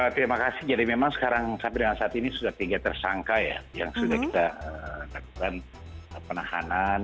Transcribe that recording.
terima kasih jadi memang sekarang sampai dengan saat ini sudah tiga tersangka ya yang sudah kita lakukan penahanan